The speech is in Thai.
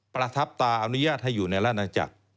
ประทับตาอนุญาตให้อยู่ในราชนาจักร